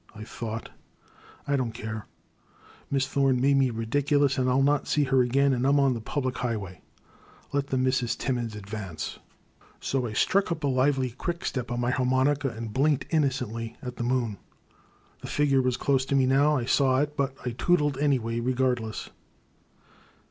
" I thought. I don't 284 The Crime. care. Miss Thome made me/idiculous, and I '11 not see her again, and I 'm on the public high way ! Let the Misses Timmins advance !'' So I struck up a lively quickstep on my har monica, and blinked innocently at the moon. The figure was close to me now, I saw it, but I tootled away, regardless.